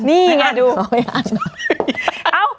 นี่ไงดู